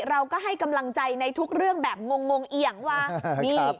เราก็ให้กำลังใจในทุกเรื่องแบบงงเอียงว่านี่